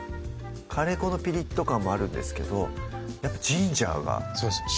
カレー粉のピリッと感もあるんですけどやっぱジンジャーがそうですね